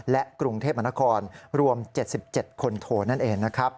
และกรุงเทพมนครรวม๗๗คนโทนั่นเองนะครับ